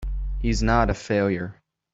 He's not a failure!